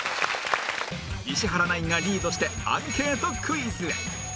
石原ナインがリードしてアンケートクイズへ